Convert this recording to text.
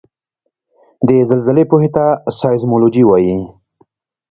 د زلزلې پوهې ته سایزمولوجي وايي